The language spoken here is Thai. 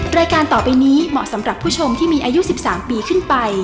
รายการต่อไปนี้เหมาะสำหรับผู้ชมที่มีอายุ๑๓ปีขึ้นไป